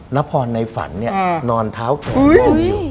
นพรในฝันเนี่ยนอนเท้าถูอยู่